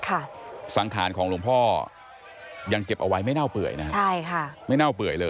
ทางวัดเขาก็นำภาพถ่ายของลงพ่อมาให้ประชาชนได้ทำแบบโอ้โห